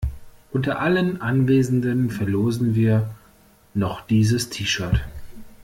Unter allen Anwesenden verlosen wir noch dieses T-Shirt.